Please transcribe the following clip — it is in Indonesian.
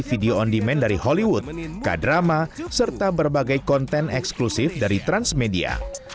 video on demand dari hollywood k drama serta berbagai konten eksklusif dari transmedia